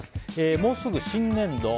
もうすぐ新年度。